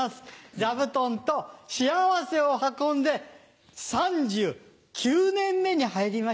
座布団と幸せを運んで３９年目に入りました。